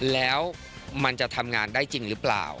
แล้วมันจะทำงานได้จริงหรือเปล่า